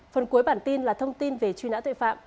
phần cuối bản tin là thông tin về truy nã tội phạm